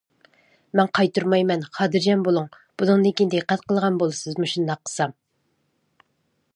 مەن قايتۇرمايمەن خاتىرجەم بولۇڭ بۇنىڭدىن كېيىن دىققەت قىلىدىغان بولىسىز، مۇشۇنداق قىلسام!